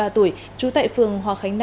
năm mươi ba tuổi chú tại phường hòa khánh năm